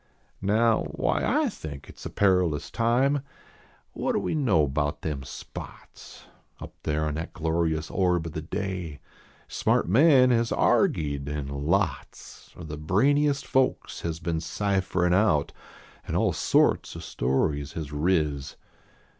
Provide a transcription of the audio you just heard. Now, why I think it s a perilous time, What do we know bout them spots I p there on that glorious orb of the day ? Smart men has argyed an lots Of the brainiest folks has been cypherin out. An all sorts of stories has riz